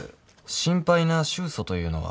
心配な愁訴というのは？